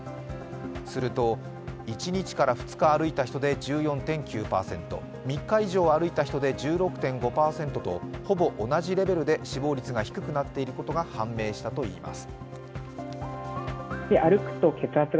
すると１日から１日歩いた人で１４．９％３日以上歩いた人で１６．５％とほぼ同じレベルで死亡率が低くなっていることが判明したといいます。